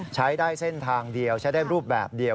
ใช้ได้เส้นทางเดียวใช้ได้รูปแบบเดียว